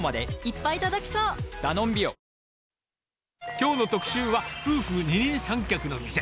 きょうの特集は、夫婦二人三脚の店。